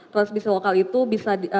transmisi lokal itu bisa